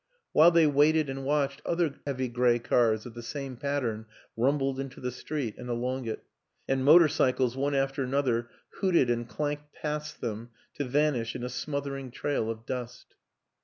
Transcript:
While they waited and watched other heavy gray cars of the same pattern rumbled into the street and along it; and motor cycles one after another hooted and clanked past them to vanish in a smothering trail of dust.